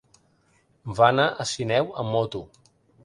Va anar a Sineu amb moto.